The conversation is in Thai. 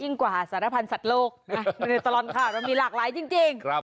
ยิ่งกว่าสารพันธ์สัตว์โลกตลอดข่าวมันมีหลากหลายจริง